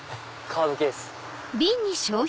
「カードケース」。